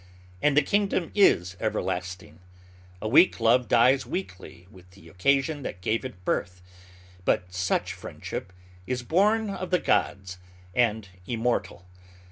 And the kingdom is everlasting. A weak love dies weakly with the occasion that gave it birth; but such friendship is born of the gods, and immortal.